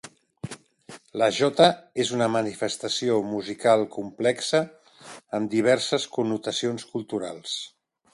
La jota és una manifestació musical complexa, amb diverses connotacions culturals.